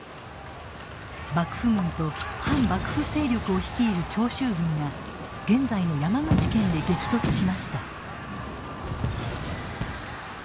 幕府軍と反幕府勢力を率いる長州軍が現在の山口県で激突しました。